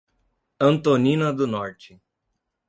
Antonina do Norte